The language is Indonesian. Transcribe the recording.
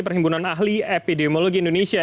perhimpunan ahli epidemiologi indonesia